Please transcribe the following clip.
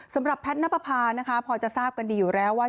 แพทย์นับประพานะคะพอจะทราบกันดีอยู่แล้วว่า